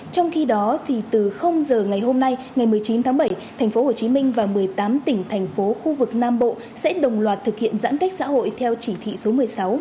trong khi đó từ giờ ngày hôm nay ngày một mươi chín tháng bảy tp hcm và một mươi tám tỉnh thành phố khu vực nam bộ sẽ đồng loạt thực hiện giãn cách xã hội theo chỉ thị số một mươi sáu